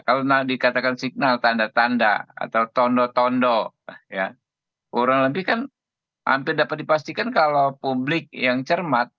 kalau dikatakan signal tanda tanda atau tondo tondo ya kurang lebih kan hampir dapat dipastikan kalau publik yang cermat